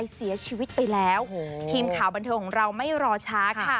เสียชีวิตไปแล้วทีมข่าวบันเทิงของเราไม่รอช้าค่ะ